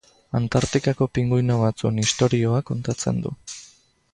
Antartikako pinguino batzuen istorioa kontatzen du.